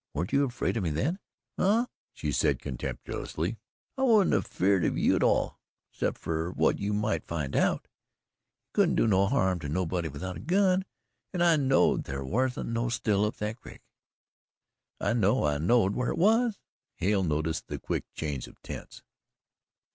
"Weren't you afraid of me then?" "Huh!" she said contemptuously. "I wasn't afeared of you at all, 'cept fer what you mought find out. You couldn't do no harm to nobody without a gun, and I knowed thar wasn't no still up that crick. I know I knowed whar it was." Hale noticed the quick change of tense.